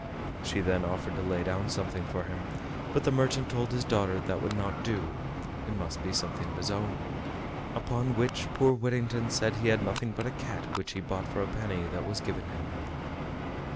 She then offered to lay down something for him, but the merchant told his daughter that would not do, it must be something of his own. Upon which poor Whittington said he had nothing but a cat which he bought for a penny that was given him.